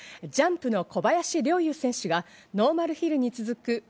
ジャンプの小林陵侑選手がノーマルヒルに続く